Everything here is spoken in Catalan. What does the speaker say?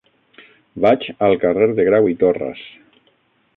Vaig al carrer de Grau i Torras.